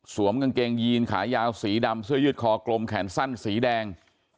กางเกงยีนขายาวสีดำเสื้อยืดคอกลมแขนสั้นสีแดง